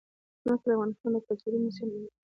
ځمکه د افغانستان د کلتوري میراث یوه ډېره مهمه برخه ده.